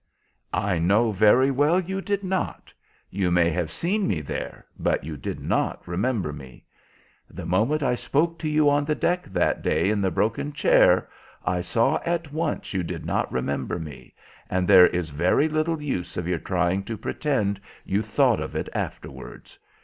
"I know very well you did not. You may have seen me there, but you did not remember me. The moment I spoke to you on the deck that day in the broken chair, I saw at once you did not remember me, and there is very little use of your trying to pretend you thought of it afterwards.